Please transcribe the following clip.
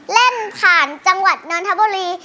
เล่นผ่านจังหวัดนนทบุรี